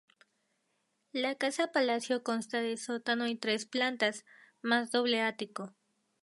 La casa-palacio consta de sótano y tres plantas, más doble ático.